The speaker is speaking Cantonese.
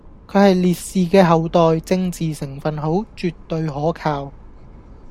佢係烈士嘅後代，政治成份好，絕對可靠